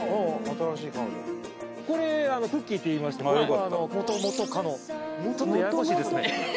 これクッキーっていいまして元々カノややこしいですね